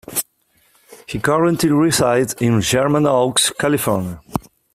He currently resides in Sherman Oaks, California.